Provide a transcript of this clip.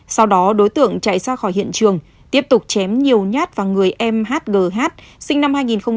sau đó đối tượng chạy xa khỏi hiện trường tiếp tục chém nhiều nhát vào người em hgh sinh năm hai nghìn một mươi ba